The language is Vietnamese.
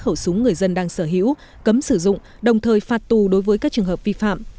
khẩu súng người dân đang sở hữu cấm sử dụng đồng thời phạt tù đối với các trường hợp vi phạm